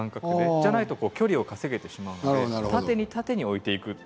じゃないと距離を稼げてしまうので縦に縦に置いていく。